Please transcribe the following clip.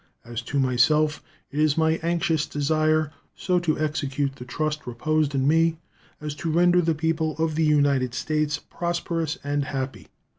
As to myself, it is my anxious desire so to execute the trust reposed in me as to render the people of the United States prosperous and happy.